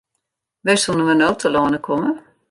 Wêr soenen we no telâne komme?